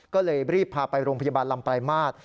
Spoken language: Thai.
ก็เลยรีบพาไปโรงพยาบาลลำปลายมาตร